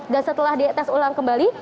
dan setelah dites ulang kembali